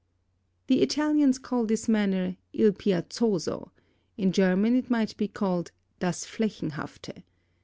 The Italians call this manner "il piazzoso;" in German it might be called "das Flächenhafte."